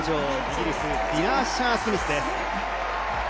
イギリスのディナ・アッシャー・スミスです。